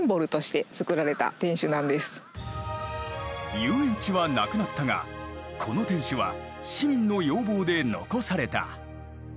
遊園地はなくなったがこの天守は市民の要望で残された。